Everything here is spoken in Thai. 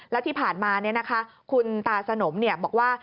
แล้วที่ผ่านมาคุณตาสนมบอกว่า